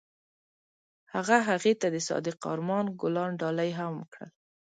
هغه هغې ته د صادق آرمان ګلان ډالۍ هم کړل.